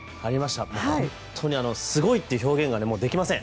本当にすごいって表現ができません。